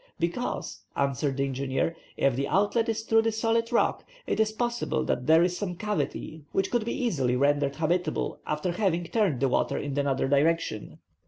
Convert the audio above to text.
"Because," answered the engineer, "if the outlet is through the solid rock it is possible that there is some cavity, which could be easily rendered habitable, after having turned the water in another direction."